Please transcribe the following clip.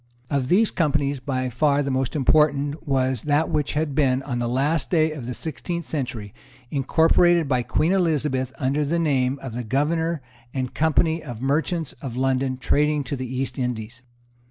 Of these companies by far the most important was that which had been, on the last day of the sixteenth century, incorporated by Queen Elizabeth under the name of the Governor and Company of Merchants of London trading to the East Indies.